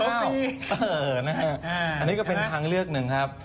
อันนี้ก็เป็นทางเลือกหนึ่งครับ